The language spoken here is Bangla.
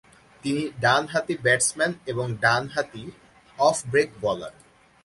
তিনি ডানহাতি ব্যাটসম্যান এবং ডানহাতি অফ ব্রেক বোলার।